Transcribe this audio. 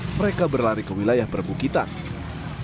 mereka berlari ke wilayah perbukitan